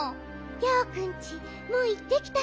ギャオくんちもういってきたの？